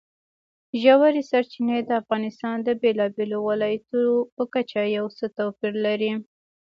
ژورې سرچینې د افغانستان د بېلابېلو ولایاتو په کچه یو څه توپیر لري.